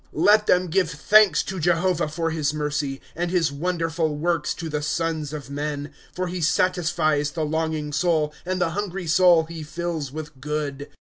* Let them give thanks to Jehovah for his mercy, And his wonderful works to the sons of men. " For he satisfies the longing soul, And the hungry soul he fills with good.